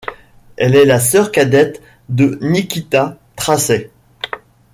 Elle est la sœur cadette de Nikita Tracey.